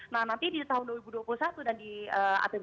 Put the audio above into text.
nah nanti di tahun dua ribu dua puluh satu dan di apb